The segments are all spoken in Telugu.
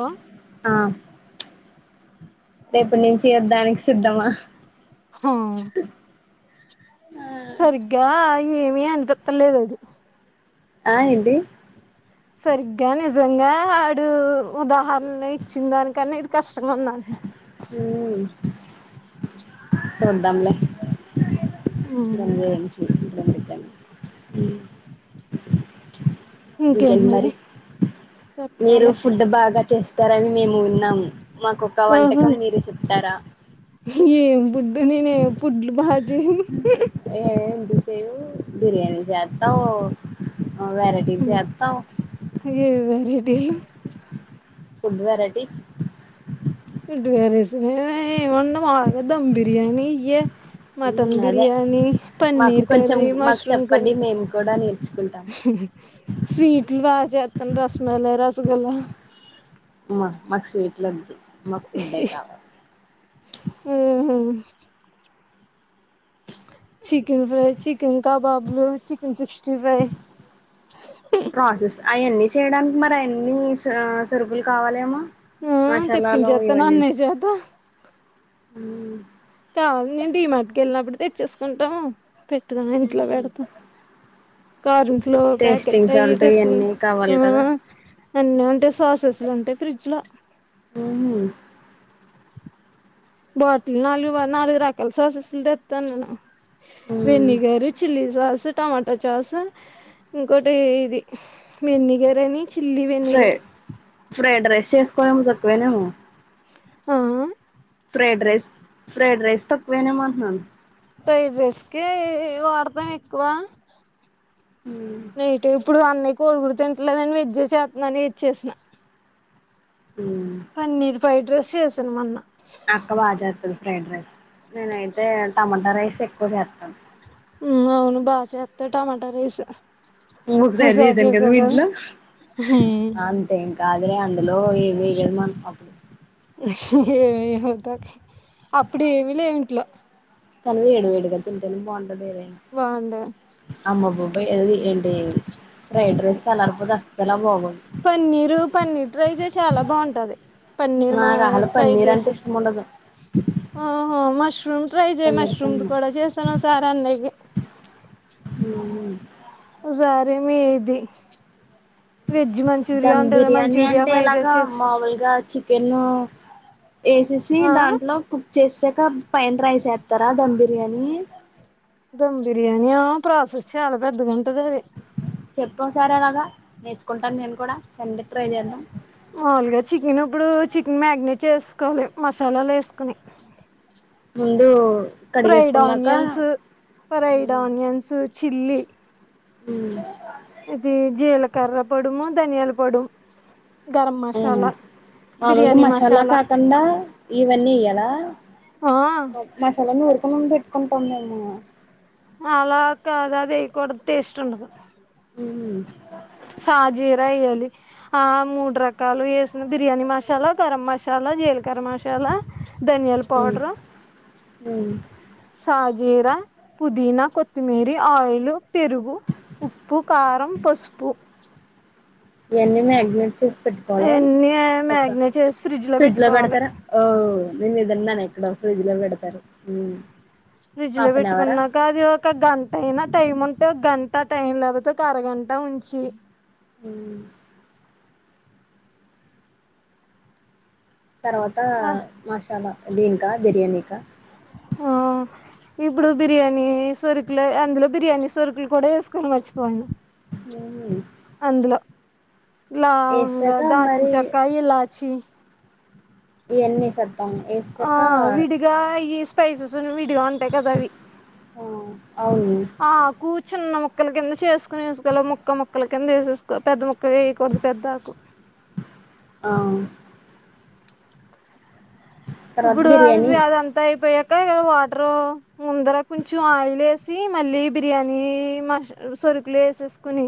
హా ఆ రేపుటి నించి యుద్దానికి సిద్ధమా హా సరిగ్గా ఏమి అనిపిత్తలేదది ఆ ఏంటి సరిగ్గా నిజంగా ఆడు ఉదాహరణ ఇచ్చిన దానికన్న ఇది కష్టంగ ఉంది అంటన్న మ్ చూద్దాంలే మ్మ్ మళ్ళీ ఏం చెప్తుంది అందుకని మ్ ఇంకేంటి మరి మీరు చెప్పాలే ఫుడ్ బాగా చేస్తారని మేము విన్నాము మాకొక వంటకం బాబోయ్ మీరు చెప్తారా నేను పుడ్లు బా చేయను సేను బిర్యానీ చేత్తావ్ వెరయిటీలు చేత్తావ్ దీళ్ళూ ఫుడ్ వెరైటీస్ ఫుడ్ వెరైటీస్ మే మా గది ధమ్ బిర్యానీ ఏ మటన్ ఉమ్ అదే బిర్యానీ మాకు పన్నీర్ కొంచెం కర్రీ మాకు మష్రూమ్ చెప్పండి కర్రీ మేము కూడా నేర్చుకుంటాం స్వీట్లు బాగా చేస్తాను రసమెల్ల రసగుల్లా మా మాకు స్వీట్లు ఒద్దు మాకు ఫుడ్డే కావాలి చికెన్ ఫ్రై చికెన్ కబాబ్లు చికెన్ సిక్స్ సిక్టీఫైవ్ ప్రాసెస్ అయన్నీ చేయడానికి మరి అన్ని సరుకులు కావాలేమో ఆ మసాలాలు తెప్పించేస్తాను ఇవన్నీ అన్నయ్య చేత కావాలి నేను డి మార్ట్కి వెళ్ళినప్పుడు తెచ్చేసుకుంటాము పెట్టదా ఇంట్లో మ్మ్ పెడతాం కార్న్ ఫ్లో ప్యాకెట్ టేస్టింగ్ అవి సాల్ట్ తెచ్చిండు ఇవన్నీ కావాలి కదా మ్మ్ అన్నీ ఉంటాయి సాసెస్లు ఉంటాయి ఫ్రిడ్జ్ లో మ్మ్ బాటిల్ నాలుగు నాలుగు రకాలు సాసెస్లు తెత్తా నేను మ్మ్ విన్నిగర్ చిల్లీస్ సాస్ టమాటా సాసు ఇంకోటి ఇది వెన్నిగర్ అని chilli fry vinegar fried rice చేసుకోవేమో తక్కువేనేమో ఆ ఫ్రైడ్ రైస్ ఫ్రైడ్ రైస్ తక్కువేనేమో అంటున్నాను ఫ్రైడ్ రైస్కే వాడతాం ఎక్కువ మ్మ్ నైట్ ఇప్పుడు అన్నయ్య కోడి కూర తింటాలేదని వెజ్ చేత్తున్న అని ఇచ్చేసిన మ్మ్ పన్నీర్ ఫ్రైడ్ రైస్ చేసాను మొన్న అక్క బాగా చేత్తది ఫ్రైడ్ రైస్ నేనైతే టమోటా రైస్ ఎక్కువ చేత్తాను మ్మ్ అవును బా చేత్త టమాటా రైస్ ఇంగొకసారి ఒకసారి చేసాను కదా చేసావు మీ ఇంట్లో అంతే ఇంక్ కాదులే అందులో ఏమి వేయదు మనం అప్పుడు అప్పుడు ఏవి లేవు ఇంట్లో అన్ని వేడి వేడుగా తింటాను బాన్ బాగుండే అమ్మ బాబోయ్ అధీధి ఏంటి ఫ్రైడ్ రైస్ సల్లారిపోతే అస్సలే బాగోదు పన్నీరు పన్నీర్ ట్రై చేయి చాలా బాగుంటది పన్నీర్ మా నాకు అసలు ఫ్రైడ్ పన్నీర్ అంటే రైస్ ఇష్టం ఉండదు ఓహో మష్రూమ్ ట్రై చేయ్ పన్నీర్ మష్రూమ్ ది కన్నా కూడా చేసాను ఓ సార్ అన్నయికి మ్మ్ ఓసారి మీది వెజ్ మంచూరియా దమ్ ఉంటది బిర్యానీ మంచూరియా అంటే ఫ్రైడ్ ఎలాగా రైస్ చేసి మామూలుగా చికెను ఏసేసి ఆ దాంట్లో కుక్ చేస్తే కబ్ పైన్ రైస్ వేత్తారా ధమ్ బిర్యానీ దమ్ బిరియాని ఆ ప్రాసెస్ శచాల పెద్దగుంట చెప్ప ఒకసారేలాగా నేర్చుకుంటాను నేను కూడా సండే ట్రై చేద్దాం మాముూలుగా చికెన్ ఇప్పుడు చికెన్ మ్యాగినేట్ చేసుకోవాలి, మసాలాలు వేసుకోని [inaudible] ముందు ఫ్రైడ్ కడిగేసుకున్నాక ఆనియన్స్, ఫ్రైడ్ ఆనియన్స్, చిల్లీ హ్మ్ ఇది జీలకర్ర పొడుము ధనియాల పొడుము హ్మ్ మాముూలుగా మసాలా కాకుండా ఇవన్నీ ఏయ్యాల ఆ మసాలాని నూరుకోని పెట్టుకుంటాం మెము అలా కాదు అది వేయకూడదు టేస్ట్ ఉండదు. హ్మ్ సాజీరా ఏయాలి ఆ మూడు రకాలు వేసిన బిర్యానీ మసాలా, గరం మసాలా జీలకర్ర మసాలా ధనియాల పౌడరు హ్మ్ జీరా పుదీనా కొత్తిమీరి ఆయిలు పెరుగు, ఉప్పు, కారం, పసుపు ఇయన్నీ మేగ్నట్ చేస్ పెట్టుకోవ ల ఇవన్నీ ఒక మ్యాగ్నేట్ చేసి ఫ్రిడ్జ్ లో పెట్టుకోవాలి పెడతారా ఓ నే [unintelligible] ఫ్రిడ్జ్ లో పేడతారు హ్మ్ ఫ్రిడ్జ్ లో పెట్టుకున్నాక అది ఒక గంట అయినా టైం ఉంట అంటే ఒక గంట టైం లేకపోతే ఒక అరగంట ఉంచి ఉమ్ తర్వాత ఆ మసాలా దీనికా బిర్యానీకా ఆ ఇప్పుడు బిర్యానీ సొరుకులు అందులో బిర్యానీ సొరుకులు కూడా వేసుకొని మర్చిపోయను. [inaudible] లవంగ ఏసాక దాల్చినా మరి చేక్కా ఇలాచ్చి ఇయన్ని సబ్ ఆ విడిగా ఈ స్పైసెస్ విడిగా ఉంటాయ్ కదా అవి ఆ అవును ఆ కూ చిన్న మొక్కల కింద చేసుకుని వేసుకోలి ముక్క ముక్కల కింద వేసేసుకో పెద్ద ముక్క వేయకూడదు పెద్ద ఆకు ఆ తర్వాత ఇప్పుడు బిర్యానీ అవివి అదంతా అయిపోయా [inaudible] టర్ ముందర కొంచెం ఆయిల్ వేసి మళ్ళి బిర్యానీ మష సరుకులు వేసి వేసుకుని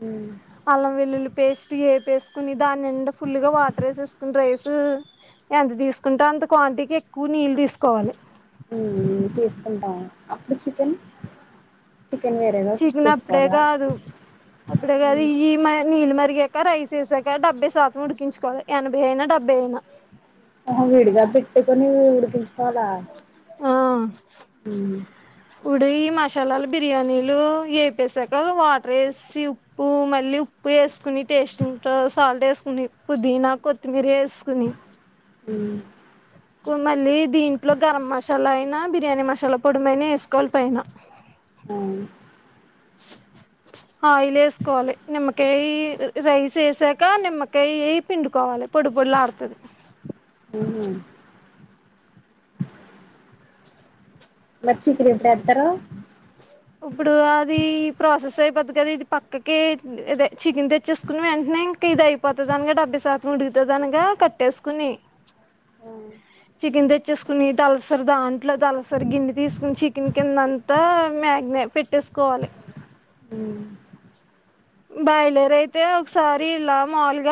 హ్మ్ అల్లం వెల్లుల్లి పేస్ట్ ఏపేసుకోని దాన్నిండ ఫుల్ గా వాటర్ వేేసెసుకుని రైస్ ఉ ఎంత తీసుకుంటో అంత క్వాంటిటీకి ఎక్కువ నీళ్ళు తీసుకోవాలి. హ్మ్ తీసుకుంటాను అప్పుడు చికెన్ చికెన్ వేరేగా కుక్ చికన్ అప్పుడే చేసుకోవాలా కాదు అప్పుడే కాదు ఈ మ నీళ్ళ మరిగాక రైస వేసాక డెబ్బై శాతం ఉడికించుకోవాలి ఎనభై అయినా డెబ్బై అయినా ఆహ విడిగా పెట్ట ట్టుకొని ఉడికించుకోవాల ఆ హ్మ్ మశాలాలు బిర్యానీలు వేపసాక వాటర్ వేసి ఉప్పు మళ్ళీ ఉప్పు వేసుకు మీ టేస్టింగ్ తో సాల్ట్ వేసుకుని పుదీనా కొత్తిమీర వేసుకుని హూ మళ్ళీ దీంట్లో గరం మసాలా అయినా బిర్యానీ మసాల పొడమయినా వేసుకోవాలి పైన ఆ ఆయిల్ వేసుకోవాలి నిమ్మకయి రైస్ వేసాక నిమ్మకాయ పిండుకోవా పొడిపోడిలా [unintelligible] హు [unintelligible] ఇప్పుడు అది ప్రాసెస్ అయిపోద్ది కదా ఇది పక్కకి చికెన్ తెచ్చేసుకున్నామ్ వెంట్ ఇంక ఇది అయిపోతుంది అనగా డెబ్బై శాతం ఉడుకుతది అనగా కట్టేసుకుని అ చికెన్ తెచ్చేసుకుని తలసరి దాంట్లో తలసరి గిన్నె తీసుకుని చికెన్ కింద అంతా మె పెట్టేసుకోవాలి మ్మ్ బయలరు అయితే ఒకసారి ఇలా మాములుగ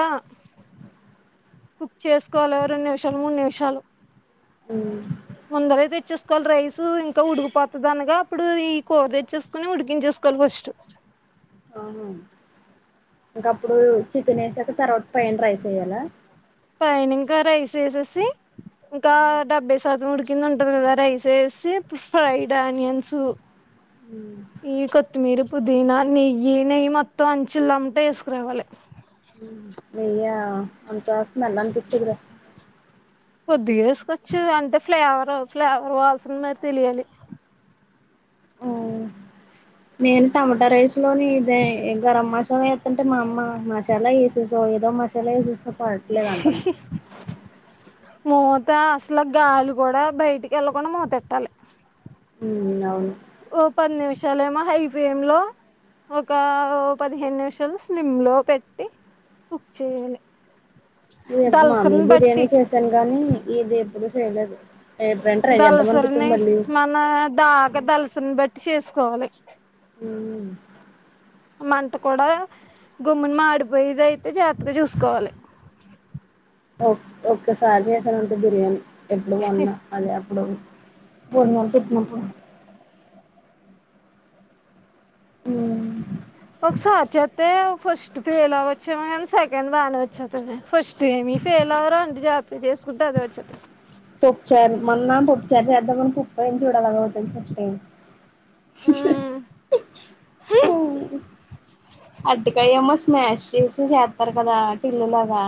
కుక్ చేసుకోవాలి రెండు నిమిషాలు మూడు నిమిషాలు హు ముందర తెచ్చేసుకోవాలి రైస్ ఇంకా ఉడికిపోతది అనగా అప్పుడు ఈ కూర తెచ్చేసుకొని ఉడికించేసుకోవాలి [unintelligible] స్టు ఆహా ఇంక అప్పుడు చికెన్ వేసాక తర్వాత పైన రరైస్ ఏయ్యల పైన ఇంకా రైస్ ఏసేసి ఇంకా డెబ్బై శాతం ఉదికింది ఉంటది కదా రైస్ వేసి ఇప్పుడు ఫ్రైడ్ ఆనియన్స్ అ ఈ కొత్తిమీర పుదీనా నెయ్యి నెయ్యి మొత్తం అంచుల అమ్మటే వేసుకురావాలి నెయ్య అంత స్మెల్ అని పిచ్చదు గ కొద్దిగా వేసుకోవచ్చు అంటే ఫ్లేవర్ ఫ్లేవర్ వాసన మీద తెలియాలి నేను టమాట రైస్ లోని ఇదే గరం మసాలా వేస్తంటే మా అమ్మ మసాల [unintelligible] ఏదో మసల వేసేసవ్ పడటలే అంటాంది మూత అసలు గాలి కూడ బయటికి వెళ్ళకుండా మూతెట్టాలి ఉ అవును ఓ పది నిమిషాలుఎమో హై ఫ్లేమ్ లో ఒక పదిహేను నిమిషాలు సిమ్ లో పెట్టి కుక్ చేయాలి ఇది మామీ దలసరిని బట్టి బిర్యానీ చేశాను గానీ ఇది ఎప్పుడు చేయలేదు ఎప్పుడైనా ట్రై చేద్దాం అనిపిస్తుంది దలసరిని మళ్ళీ మన దాగ దలసరిని బట్టి చేసుకోవాలి హు మంట కూడా గుమ్ముని మాడిపోయిది అయితే జాత్తగ చూసుకోవాలి ఒక్కసారి చేసానంటే బిర్యానీ ఎప్పుడు మొన్న అదే [unintelligible] ఉమ్ ఒకసారి చేస్తే ఫస్ట్ ఫెయిల్ అవ్వచ్చు కాని సెకండ్ [unintelligible] వచ్చ ఫస్ట్ ఏమి ఫెయిల్ అవరు అంటే జాగ్రత్తగా చేసుకుంటే అదే వచ్చేస్తది మన్నా ఉమ్ [unintelligible] అరిటికాయ్ ఏమో స్మాష్ చేసి చేస్తారు కదా పిల్లలాగా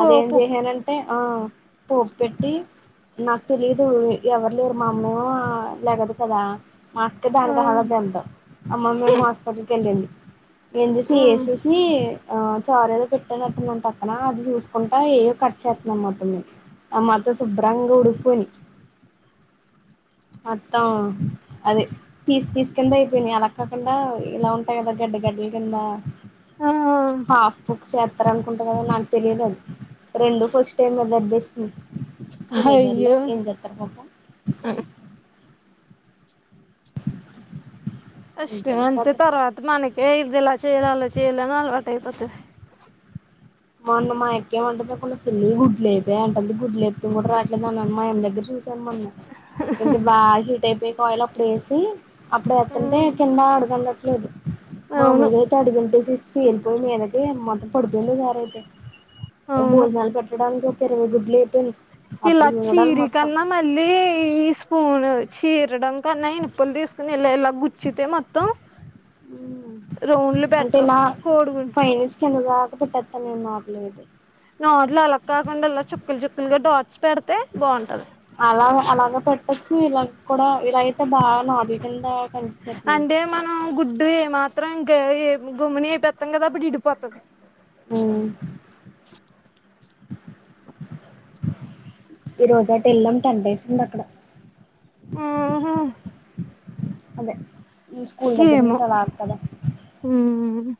పో అదేం పో చేసానంటే ఆ పోపు పెట్టి నాకు తెలిదు ఎవరు లేరు మా అమ్మేమో లేగదు కదా మా అక్కే ఆ దానికి ఆహ్లాద ఎంత అమ్మ మేము హాస్పిటల్ కి వెళ్ళింది, ఎం చూసి ఉమ్ ఏసేసి ఆ చారు ఏదో పెట్టేనట్టుందంటక్కన అది చూసుకుంటా ఏమో కట్ చేస్తుంది అన్న మాట ఈమె ఆ మొత్త శుభ్రంగా ఉడుచుకోని మొత్తం అదే పీస్ పీస్ కింద అయిపోయినాయి అలాక్క కాకుండా ఇలా ఉంటాయి కదా గడ్డ గడ్డల కింద, ఆ హాఫ్ బక్స్ ఎస్తార అనుకుంటారు కదా నాకు తెలియదు అది రెండు ఫస్ట్ టైమ్ దగ్గర చేస్తున్న తిన్నల్లే అయ్యో ఎం చేతరు పాపం అంతే శ్రమ అంత కథ తర్వాత మనక ఇదిలా చేయల అలా చేయలే అలవాటు అయిపోతది మా అన్నమాయక్కేమంటందికుండా తల్లి గుడ్లు అయితే అంటంది గుడ్లు ఎత్ కూడా రాట్లేదు అన్న మా ఆయన దగ్గర చూసాన్ మొన్న ఏంటి బాగా హీట్ అయిపోయిక ఆయిల్ అప్పుడు వేసి అప్పుడు ఎత్తంటే ఉమ్ కింద అడగనట్లేదు అవును మామూలుగా అయితే అడుగాంటేసి వేలిపోయి మీదకి మొత్తం పడిపోయింది జరి అయితే అవును భోజనాలు పెట్టడానికి ఇరవై గుడ్లు అయిపోయినాయి ఇలా అప్పుడు చూడాలి మొత్తం చీరికన్నా మళ్ళీ ఈ స్పూన్ చీరడం కన్నాయినుప్పులు తీసుకుని ఇలా ఇలా గుచ్చితే మొత్తం రౌండ్లు అంటే బెటర్ కోడిగుడ్లు ఎటుపట్లనో నాకు లేదు నోట్ అలాక్కకుండల్లా చుక్కల్ చుకుల్గా డా పెడితే బాగుంటది అలా అలాగ పెట్టొచ్చు ఇలా కూడా ఇలా అయితే బాగా నాట్ల కింద కనిపించేస్తున్నాయి అంటే మనం గుడ్డు ఏ మాత్రం ఏ గుమ్మిని ఇటు వాతం కదా అప్పుడు ఇడిపోతది, ఉ ఈ రోజు అటు వెళ్ళాం టెన్ డేస్ ఉంది అక్కడ ఉహు అదే స్కూల్ దగ్గర ఏమో నుంచి అలా ఆదుకోవడం ఉమ్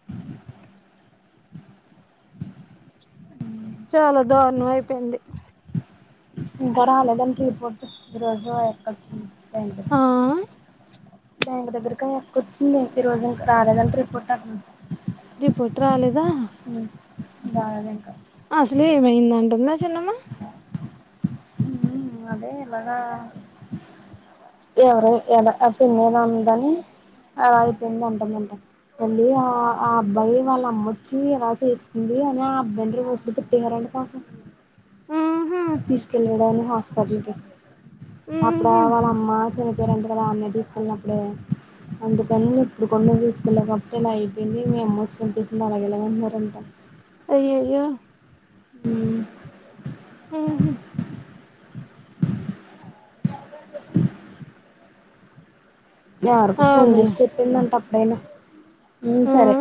చాలా దారుణం అయిపోయింది ఇంకా రాలేదానికి రిపోర్టు రోజు ఎక్కచ్చంట ఆ బ్యాంక్ దగ్గరకని అక్క వచ్చింది ఏం ఈ రోజు ఇం రాలేదంటే రిపోర్ట్ అక్కడ రిపొట్ రాలేదా ఉ బాగా నే ఇంకా అసలు ఏమైంద అంటందా ఆ చిన్నమ్మా అదే ఇలాగ ఎవరు ఎలా అసెమని ఉందాన్ని అలా అయిపోయింది అంటుందంట మళ్ళీ ఆ ఆ అబ్బాయి వాళ్ళ అమ్మొచ్చి ఎలా చేసింది అ ఆ అబ్బన్ బస్లు తిట్టటిహారడి కా ఊహు హల్ అప్పుడ ఊహు వాళ్ళ అమ్మ చిన్న పిల్లనుకుని వాళ్ళ అన్నయ్య కి తీసుకెళ్ళినప్పుడే అందుకాన్ని ఇప్పుడు కొంని తీసుకెళ్లేకప్పుే ఇలా అయిపోయింది మీ అమ్మ వచ్చి చనిపేసింది అలాగ ఎలాగ ఉంటారంట అయ్యో అయ్యో ఉ ఉహు ఎవరకో ఆ ఫోన్ పిల్ల చేసి చెప్పిందంట అప్పుడైనా ఉ సరే ఆ